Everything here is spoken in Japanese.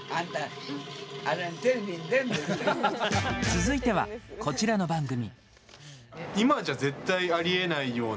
続いては、こちらの番組。